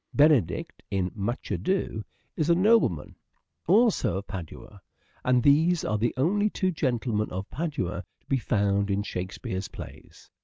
Benedick in " Much Ado " is a nobleman, also of Padua, and these are the only two gentlemen of Padua to be found in Shakespeare's plays.